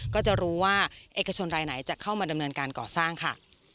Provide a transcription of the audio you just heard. ก็จะรู้ว่าเอกชนรายไหนจะเข้ามาดำเนินการก่อสร้างค่ะ